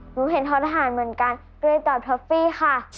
หนูเห็นท้อนทหารเหมือนกันก็เลยตอบท็อฟฟี่ค่ะ